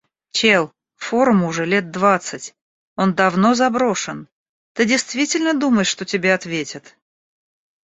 Чел, форуму уже лет двадцать. Он давно заброшен. Ты действительно думаешь, что тебе ответят?